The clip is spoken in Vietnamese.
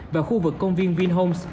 và khu vực công viên vinhomes